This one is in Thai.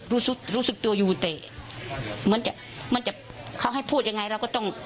รู้สึกรู้สึกตัวอยู่แต่เหมือนจะมันจะเขาให้พูดยังไงเราก็ต้อง